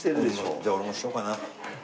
じゃあ俺もしようかな。